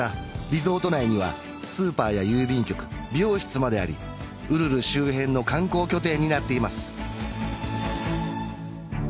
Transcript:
リゾート内にはスーパーや郵便局美容室までありウルル周辺の観光拠点になっています